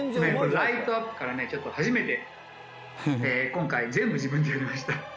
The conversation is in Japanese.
ライトアップからね、ちょっと初めて、今回、全部自分でやりました。